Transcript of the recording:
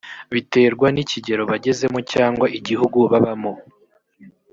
biterwa n ikigero bagezemo cyangwa igihugu babamo